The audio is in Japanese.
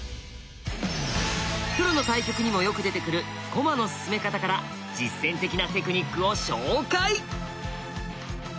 プロの対局にもよく出てくる駒の進め方から実戦的なテクニックを紹介。